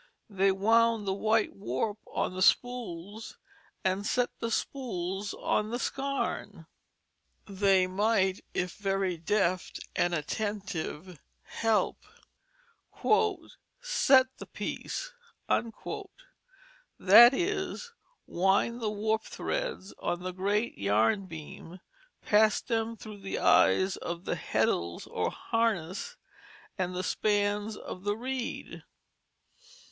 They wound the white warp on the spools, and set the spools on the scarne. They might, if very deft and attentive, help "set the piece," that is, wind the warp threads on the great yarn beam, pass them through the eyes of the heddles or harness, and the spans of the reed.